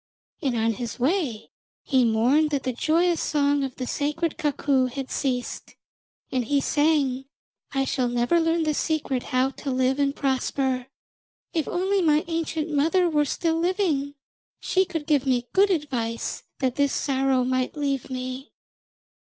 And on his way he mourned that the joyous song of the sacred cuckoo had ceased, and he sang: 'I shall never learn the secret how to live and prosper. If only my ancient mother were still living, she could give me good advice that this sorrow might leave me.'